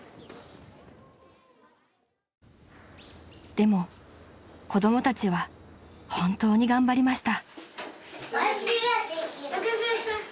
［でも子供たちは本当に頑張りました］